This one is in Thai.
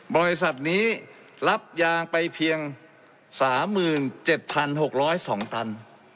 บริษัทนี้รับยางไปเพียงสามหมื่นเจ็ดพันหกร้อยสองตัน